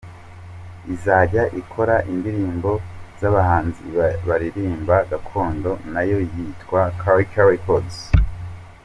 Izajya ikora indirimbo z’abahanzi baririmba gakondo, nayo yitwa Culture Records.